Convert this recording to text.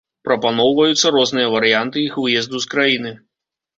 Прапрацоўваюцца розныя варыянты іх выезду з краіны.